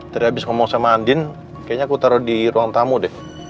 tadi habis ngomong sama andin kayaknya aku taruh di ruang tamu deh